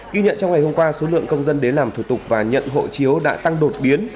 ghi nhận trong ngày hôm qua số lượng công dân đến làm thủ tục và nhận hộ chiếu đã tăng đột biến